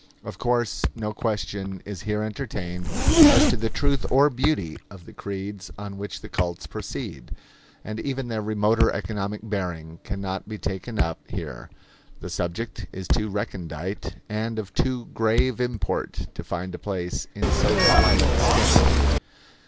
Of course no question is here entertained as to the truth or beauty of the creeds on which the cults proceed. And even their remoter economic bearing can not be taken up here; the subject is too recondite and of too grave import to find a place in so slight a sketch.